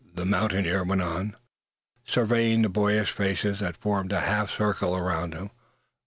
the mountaineer went on, surveying the boyish faces that formed a half circle around him.